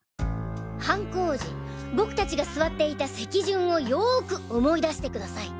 犯行時僕達が座っていた席順をよく思い出してください。